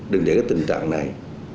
đừng để cái tình trạng này